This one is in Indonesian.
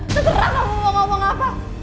segera kamu mau ngomong apa